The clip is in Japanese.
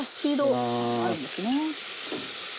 あるんですね。